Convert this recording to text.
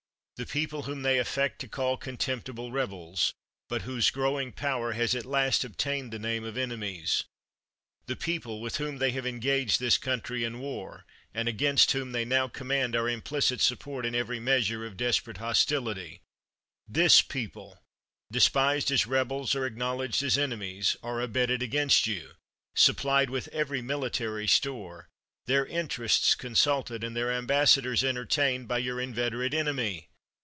The people whom they affect to call contemptible rebels, but whose growing power has at last obtained the name of enemies ; the people with whom they have engaged this country in war, and against whom they now command our implicit support in every measure of desperate hostility — this people, despised as rebels, or acknowledged as enemies, are abetted against you, supplied with every military store, their interests consulted, and their embassadors entertained, by your in veterate enemy